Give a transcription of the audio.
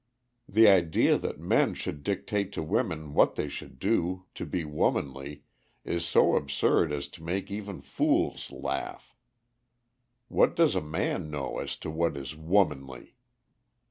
The idea that men should dictate to women what they should do to be womanly is so absurd as to make even fools laugh. What does a man know as to what is womanly?